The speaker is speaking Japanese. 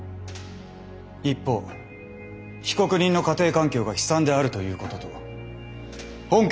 一方被告人の家庭環境が悲惨であるということと本件